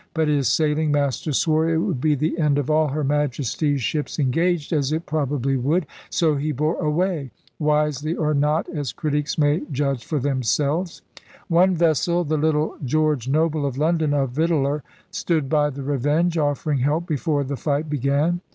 But his sailing master swore it would be the end of all Her Majesty's ships engaged, as it probably would; so he bore away, wisely or not as critics may judge for themselves. One vessel, the little George Noble of London, a victualler, stood by the Revenge, offering help before the fight began.